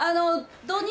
土日